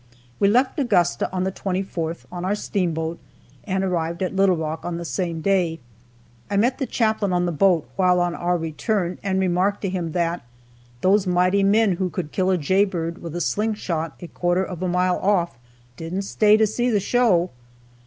We left Augusta on the 24th, on our steamboat, and arrived at Little Rock on the same day. I met the chaplain on the boat while on our return, and remarked to him that, "Those mighty men who could kill a jaybird with a sling shot a quarter of a mile off didn't stay to see the show."